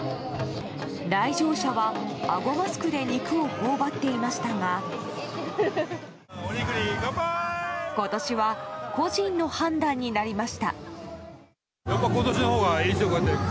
来場者は、あごマスクで肉をほおばっていましたが今年は個人の判断になりました。